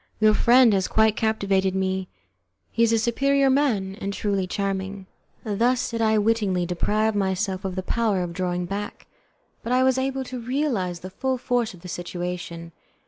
Your friend has quite captivated me; he is a superior man, and truly charming." Thus did I wittingly deprive myself of the power of drawing back, but I was able to realize the full force of the situation.